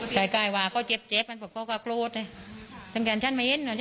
ใส่กายว่าก็เจ็บอ่ะจริงก็ดูฉันกลัวดเลย